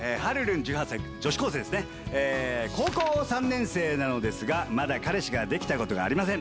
「高校３年生なのですがまだ彼氏ができたことがありません。